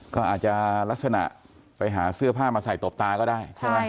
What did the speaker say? ก็อาจจะลักษณะไปหาเสื้อผ้ามาใส่ตบตาก็ได้ใช่ไหม